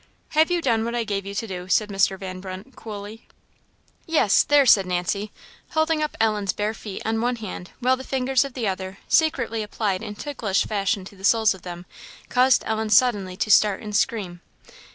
"Have you done what I gave you to do?" said Mr. Van Brunt, coolly. "Yes there!" said Nancy, holding up Ellen's bare feet on one hand, while the fingers of the other, secretly applied in ticklish fashion to the soles of them, caused Ellen suddenly to start and scream.